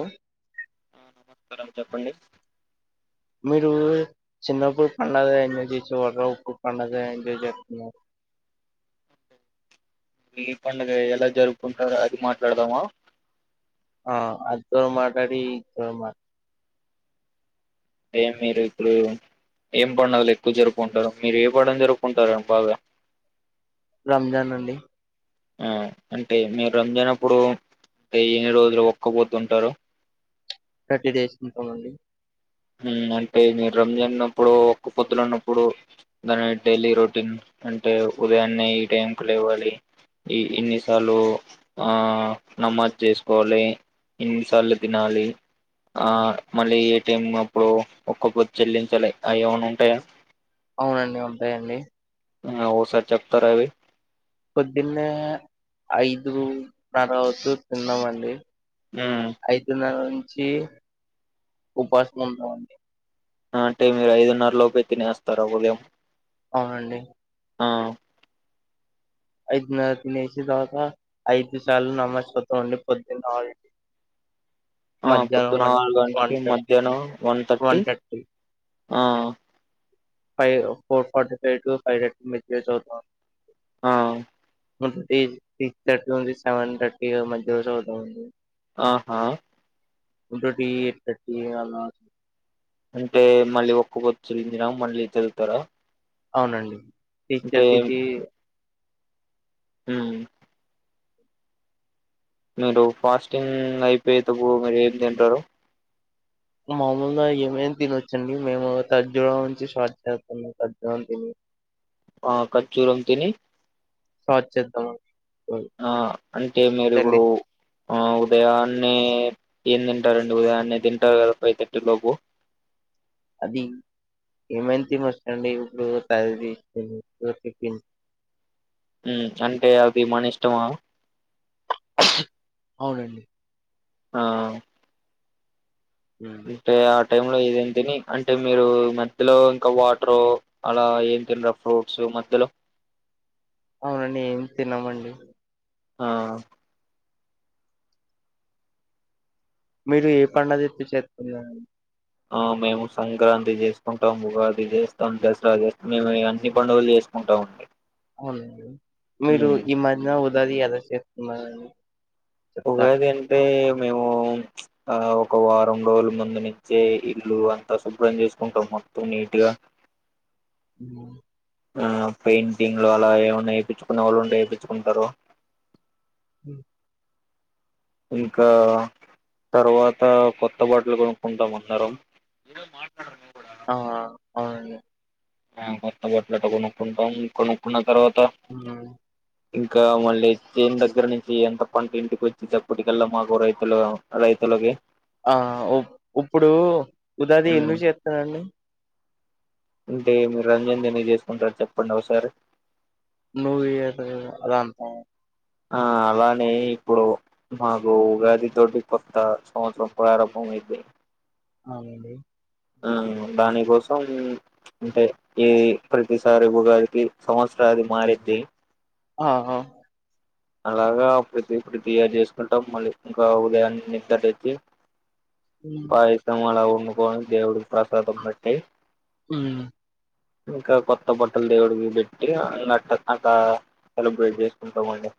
ఓ నమస్కారం చెప్పండి మీరు చిన్నప్పుడు పండుగగ ఎంజాయ్ చేసి వర్రప్పుడు పండుగగ ఎంజాయ్ చేస్తున్నారు ఈ పడుగ ఎలా జరుపుకుంటారు అది మాట్లాడదామా ఆ ఆ దర్మాట ఈ దర్మా ఏ మీరు ఇప్పుడు ఏం పడినలు ఎక్కువ జరుపుకుంటారు మీరు ఏ పడడం జరుపుకుంటారు అ బాగా రంజాన్ అండి ఆ అంటే మీరు రంజనప్పుడు అంటే ఎన్ని రోజులు ఒక్కపోతుంటారు థర్టీ డేస్ ఉంటామండి అంటే మీరు రంజాన్న్నప్పుడు ఒక్క పొద్దులు ఉన్నప్పుడు దాని డైలీ రొటీన్ అంటే ఉదయాన్నే ఈ టైంకు లే ఇవ్వాలి ఈ ఇన్నిసార్ ఆ నమాజ్ చేసుకోవాలి ఎన్నిసార్లు తినాలి ఆ మళ్ళీ ఏ టైమ్ ఇప్పుడు ఒక్కొక్కద్ చెల్లించాలి అవి ఏమనా ఉంటాయా అవునండి ఉంటాయండి ఓ సార్ చెప్తార అవి పొద్దున్నే ఐదు నరవతు తిన్నామండి హ్మ్. అయితు ద నుంచి ఉపాసన ఉందామండి అంటే మీరు ఐదున్నర లో పె తినేస్తారుావులేం అవునండి ఆ ఐదునర తినేసి తర్వాత ఐదు సార్లు నమజత్ం ఉండి పొద్దున్న ఆ మధ్యాహ్నం పొద్దున వన్ ఆరుగు వన్ గంటకి మధ్యాహ్నం వన్ థర్టీ ఆ ఫైవ్ ఫో ఫ ఫైవ్ ఫైవ్ ఆ సిస్ థర్టీ నుంది సెవెన్ థర్టీ మధ్య రజ అవుతాంది ఆహా ఫటోటి ఎ టీ అళ అంటే మళ్ళీ ఒక్కక్కొచ్చందిిన మళ్ళీ తదువుతారా అవునండి టీచర్ట్ ఇది హ మీరు ఫాస్టింగ్ అయిపోయే తప్పు మీరు ఏం తింటారు మాముూలుగా ఏమేమి తినొచ్చండి మేము తర్జూ నుంచి షార్ట్ చేస్తున్నాం తర్జన తిని ఆ ఖర్చ్చూరు అమ్ తని సహ చేేతమ ఆ అంటే మీరు ఇప్పుడు ఆ ఉదయాన్నే ఏం తింటారండి ఉదయాన్నే తింటారు కదా ఫై్ తథర్టీ లోపు అది ఏమంతి మచ్చడి ఇప్పుడు తయీప్పింది అంటే అవి మన ఇష్టమా అవునండి ఆ ఉమ్. అంటే ఆ టై లో ఇదేం తిని అంటే మీరు మధ్యలో ఇంకా వాటర్ అలా ఏం తినరా ఫ్రూట్స్ మలో అవునండి ఏం తిన్నామండి ఆ మీరు ఏ పడుగది ఎప్పుి చేస్తుకోడి ఆ మేము సంక్రాంతి చేసుకుంటాము ఉగాది చేస్తాం దసరా చేస్తాం మేము అన్ని పండుగలు చేస్తాం ఉంటా ఉంటాయి అవునండి మీరు ఈ మధ్యన ఉదది ఎలా చేస్తున్నారండి ఉగాద అంటంటే మేము ఆ ఒక వారం రోజుల మందు నుంచే ఇల్లు అంతా శుభ్రం చేసుకుంటాము మొత్త నీట్గా అ ఆ పెయింటింగ్లు అలా ఏమన్నా చేయిించుకున్న వాళ్ళు ఉంట చేయిించుకుంటారు ఉ ఇంకా తర్వాత కొత్త బాటలు కొనుక్కుంటాం అందరం ఆ అవునండి కొత్త బొట్లాట కొనుక్కుంటాం కొనుక్కున్న తర్వాత ఉన్నాయి ఇంకా మళ్ళీ చేన్ దగ్గర నుంచి ఎంత పంట ఇంటికి వచ్చే టప్పటికళ్ళ మాకు రైతుల రైతులకి ఆ ఇప్పుడు ఉగాది ఉమ్, ఎందుకు చేస్తారండి అంటే మీరు రంజాన్ ఎందుకు చేసుకుంటారు చెప్పండి ఒకసారి నువ్వు ఈత లేవు అదంతా ఆ అలానే ఇప్పుడు మాకు ఉగాది తోటి కొత్త సంవత్సరం ప్రారంభం మయితే అవునండి ఎ దానికోసం అంటే ఈ ప్రతిసారి ఉగాదికి సంవత్సరా ది మారిద్ది ఆహా అలాగా ప్రతి ప్రతి ఇయర్ చేసుకుంటాం మళ్ళీ ఇంకా ఉదయానే నిద్ర లేచి హ్మ్. పాయసం అలా వండుకొని దేవుడు ప్రసాదం పెట్టి హ్మ్. ఇంకా కొత్త బట్టలు దేవుడికి బెట్టి అకా సెలబ్రేట్ చేసుకుంటామండి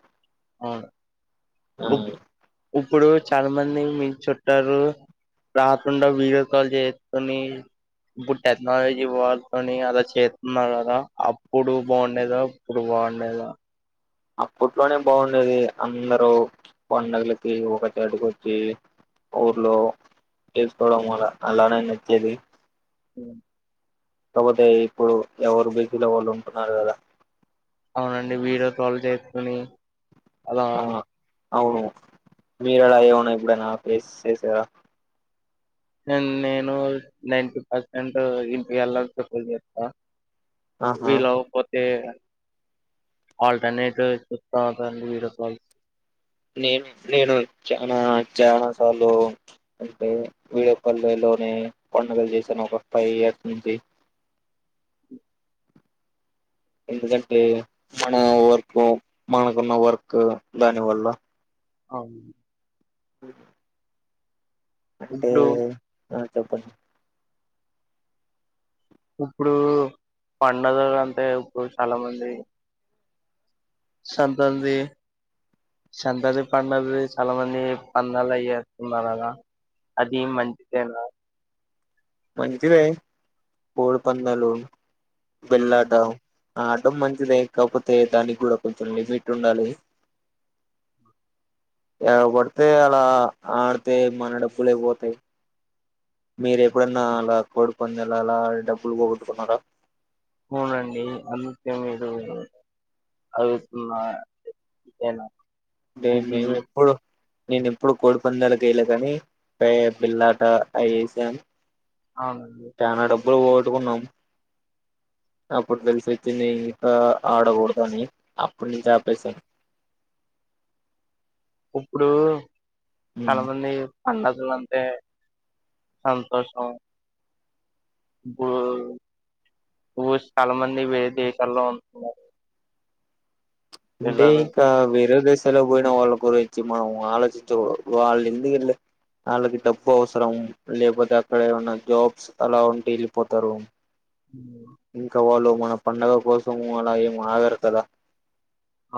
అవును ఇప్ ఇప్పుడు చాలా మంది మీ చుట్టాలు రాకుండా వీడియో కాల్ చేసుకొని ఇప్పుడు టెక్నాలజీ వాడుకొని అలా చేత్తున్నారు కదా అప్పుడు బావుండేద ఇప్పుడు బా బాండేదా అప్పట్లోనే బాండేది అందరూ పండగలకి ఒక చోటుకి వచ్చి ఊర్లో చేసుకోడం వల్ల అలానే నచ్చేది ఏమో కాకపోతే ఇప్పుడు ఎవరు బీజిలో వాళ్ళు ఉంటున్నారు గదా అవునండి వీడియో కాల్ చేసుకోని అలా ఆ అవును మీరెలా ఏమన్నా ఎప్పుడనా ఫెస్ చేసారా నేను నైంటీ పర్సెంట్ ఇంటికి ఎళ్ళకపోతే చేప్తా ఆహా వీలు అవ్వ పోతే ఆల్టర్నేట్ తాసాండి వీడియో కాల్ నేను నేను చాన చాలా సార్లు అంటే వీడియో కాల్ చేయలె ఇంట్లోనే పండుగలు చేసాను ఒక ఫైవ్ ఇయర్స్ నుంచి ఎందుకంటే మన వర్క్ మనకున్న వర్క్ దాని వల్ల అవును ఉ అంటే ఇప్పుడు ఆ చెప్పండి ఇప్పుడు పండగ అంటే ఇప్పుడు చాలా మంది సంక్రాంతి సంక్రంతి పండవి చాలా మంది పందాలు అయి ఏస్తున్నారు అలాగ అది మంచిదేనా మంచిదే కోడి పందాలు ఉమ్, బిళ్ళాట ఆడ్డం మంచిదే కాపోతే దానికి కూడ కొంచెం లిమిట్ ఉండాలి ఏలా పడితే అలా ఆడితే మన డబ్బులే పోతాయి మీరు ఎప్పుడన్నా అలా కోడి పందాల అలా ఆడి టప్పుడు డబ్బులు పోగొట్టుకున్నారా అవునండి అందుకే మీరు అరుస్తున్న ఏనా మె మెమ్ ఎప్పుడు నేను ఎప్పుడు కోడి పందాల కెయలే గాని బిళ్లాట అయ్యి వేసాను అవునండి డబ్బులు పోగట్టుకున్నాం అప్పుడు తెలిసి వచ్చింది ఇంకా ఆడకూడదు అని అప్పుడు నుంచి ఆపేసాను ఉప్పుడు చాలా ఉమ్ మంది పండగ్ అంటే సంతోషం ఇ చాలా మంది వేరే దేశాల్లో ఉంటున్నారు పిల్లలు అంటంటేకా విరగా సల పోయినా వాళ్ళ మ ఆలోచించ వాళ్ళు ఎందుకు ఇల్ వాళ్ళకి డబ్బు అవసరం లేకపోతే అక్కడ ఏమైన్నా జాబ్స్ అలా ఉంటే వెళ్ళిపోతారు ఉమ్, ఇంకా వాళ్ళు మన పండగ కోసము అలా ఏం ఆగరు కదా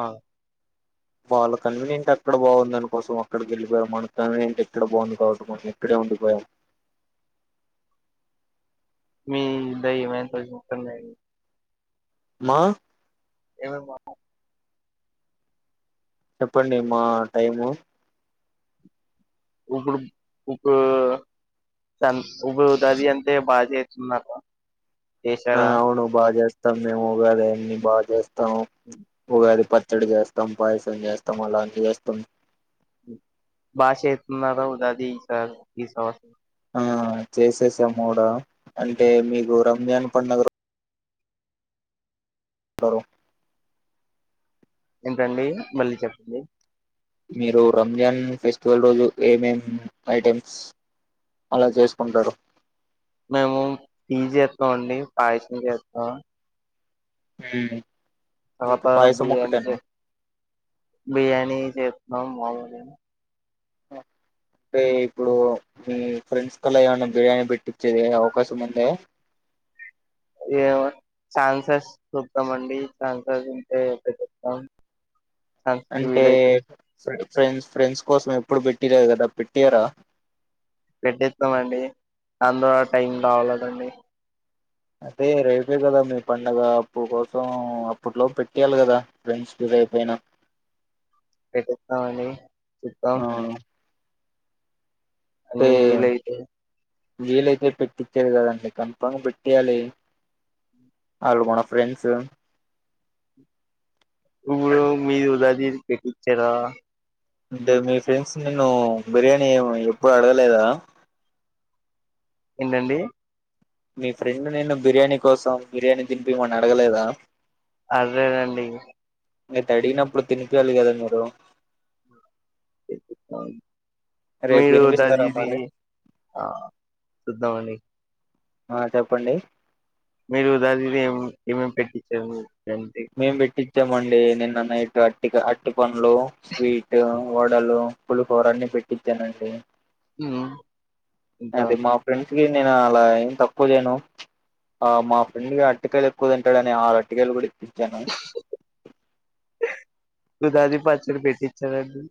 ఆ బాళ కన్వీనియంట్ అక్కడ బాగుంది దనికోసం అక్కడకి వెళ్ళిపోారు మన కన్వనియంట్ ఎక్కడ బాగుంది కాబట్సం ఎక్కడ ఉ బ మీ దయ మసజన్నా మా ఏమ మ చెప్పండి మా టైము కుడు కుక ఉభ ఉదది అంటే బా చే చేస్తున్నాక ఆ అవును బాగా చేస్తాం మేము ఉగాది అన్ని బాగా చేస్తాము ఉగాది ప క్కడ చేస్తాం పాయసం చేస్తాం అలా అంత చేస్తాం బాగా చేస్తున్నారా ఉగాది ఈ సంవత్సరం ఆ చేసేసాముూడ అంటే మీకు రంజాన్ పడుగ రోజు ఏంటండి మళ్ళీ చెప్పండి మీరు రంజాన్ ఫెస్టివల్ రోజు ఏమేం ఐటెమ్స్ అలా చేసుకుంటారు మేము ఫీ చేస్తాం అండి పాయసం చేస్తాం హ త బిర్యానీ బిర్యానీ చే అమ్ మ అంటే ఇప్పుడు మీ ఫ్రెండ్స్ కల్లా ఏమైనా బిర్యానీ పెట్టించేది అవకాశం ఉంది ఏో ాన్సెస్ చూద్దామ అండి ఛాన్సెస్ ఉంటే చెతాం అంటే ఫ్రెండ్స్ ఫ్రెండ్స్ కోసం ఎప్పుడు పెట్టిర కదా పెట్టటిారా పెట్టస్తామండి దా ద్వారా టైం అవలేదండి అదే రేపే కదా మీ పండగ అప్పు కోసం అప్పట్లో పెట్టేయాలి కదా ఫ్రెండ్స్ అయిపోయినా పెస్తామని చెద్దాం ఆ అ విలైతే వీలయితే పెట్టించారు కదండి కంపంగా పెట్టటియాలి అలుగనా ఫ్రెండ్స్ ఇడు మీ ఉదాది పెటి ఇచ్చ రా అంటే మీ ఫ్రెండ్స్ నేను బిర్యానీ ఎప్పుడు అడగలేదా ఏంటండి మీ ఫ్రెండ్ నేను బిర్యానీ కోసం బిర్యానీ దింపి మని అడగలేదా అదేనండి మీంత అడిగినప్పుడు తినిక వెళ్ళి కదా మీరు అ రేపు మీరు తినిపిస్తారా దాజీది మరి ఆ చద్దాంమండి ఆ చెప్పండి మీరు దాదిని ఏ ఏమేమి పెట్టించారు అంటే చ్చేమండి నిన్న నైటు అటి అటి పండ్లు, స్వీట్, వడలు, పులిహోర అన్ని పెట్టిచ్చానండి ఉ ఇంకా అది మా ఫ్రెండ్స్ నేను అలా ఏం తక్కువలేను ఆ మా ఫ్రెండ్ అరటికయలు ఎక్కువ తింటాడని ఆరు అరటికాయలు కుడి జన ఉగాది పచ్చడి పెట్టిచాడండి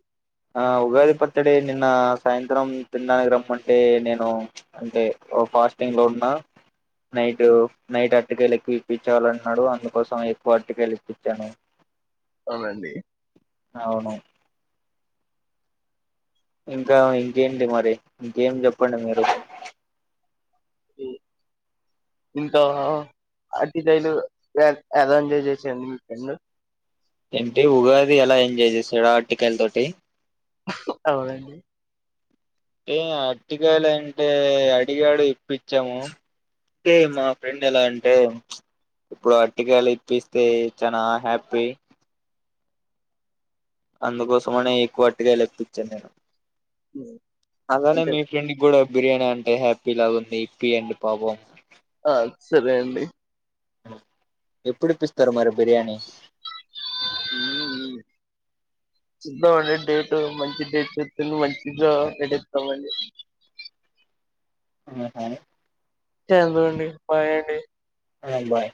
ఆ ఉగాది పత్రడే నిన్న సాయంత్రం తిడానికి రమ్మంటే నేను అంటే ఓ ఫాస్టింగ్ లో ఉన్నా నైట్ నైట్ అటికయలు ఎక్కువ ఇప్పించలంటున్నాడు అందుకోసం ఎక్కువ అటికయలు ఇప్పించాను అవునండి అవును ఇంకా ఇంకేంటి మరి ఇంకేం చెప్పండి మీరు ఇంకా అటికాయలు యా ఎలా ఎంజాయ్ చేసారు మీ ఫ్రెండ్ ఏంటి ఉగాది ఎలా ఎంజాయ్ చేసాడా అటికాయల తోటి అవునండి అంటే అటికాయలు అంటే అడిగాడు ఇప్పించాము కే మా ఫ్రెండ్ ఎలా అంటే ఇప్పుడు అటికాయలు ఇప్పిస్తే చనా హ్యాపీ అందుకోసమనే ఎక్కువ అటికాయలు తెప్పించాను నేను ఉ అలానే మీ ఫ్రెండ్ కి కూడా బిర్యానీ అంటే హ్యాపీ లా ఉంది ఇప్పియండి పాపం ఆ సరే అండి ఎప్పుడు ఇప్పిస్తారు మరి బిర్యానీ ఆ చూద్దామండి డేట్ మంచి డేట్ చస్తుంది మంచిగా పెట్టిస్తామండి ఆహా చందుండి బాయ్ అండి ఆ బాయ్